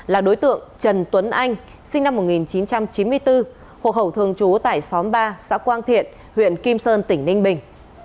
là đối tượng trần tuấn anh sinh năm một nghìn chín trăm chín mươi bốn hộ khẩu thường trú tại xóm ba xã quang thiện huyện kim sơn tỉnh ninh bình